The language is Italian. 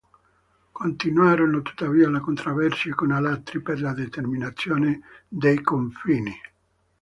Continuarono tuttavia le controversie con Alatri, per la determinazione dei confini.